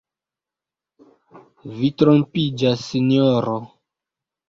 Vi trompiĝas, sinjoro.